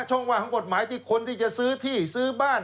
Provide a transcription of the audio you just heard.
ช่องว่างของกฎหมายที่คนที่จะซื้อที่ซื้อบ้าน